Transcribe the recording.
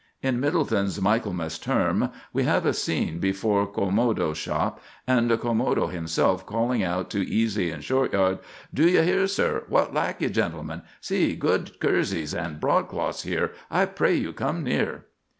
In Middleton's "Michaelmas Term" we have a scene before Quomodo's shop, and Quomodo himself calling out to Easy and Shortyard: "Do you hear, sir? What lack you, gentlemen? See, good kerseys and broadcloths here—I pray you come near."